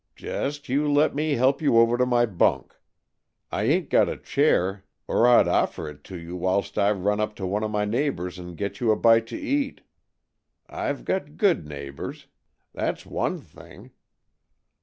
Just you let me help you over on to my bunk. I ain't got a chair or I'd offer it to you whilst I run up to one of my neighbors and get you a bite to eat. I've got good neighbors. That's one thing!"